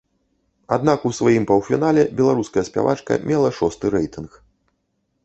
Аднак у сваім паўфінале беларуская спявачка мела шосты рэйтынг.